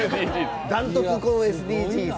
ダントツ、このＳＤＧｓ。